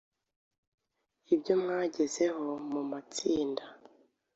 ibyo mwagezeho mu matsinda.